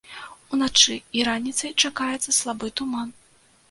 Уначы і раніцай чакаецца слабы туман.